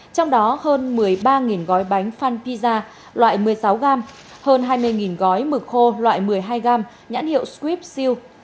trong đó hơn một mươi ba gói bánh fun pizza loại một mươi sáu g hơn hai mươi gói mực khô loại một mươi hai g nhãn hiệu squibs silk